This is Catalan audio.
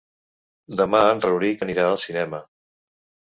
Demà en Rauric anirà al cinema.